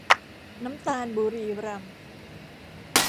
น้ำตาลบุรีรัมย์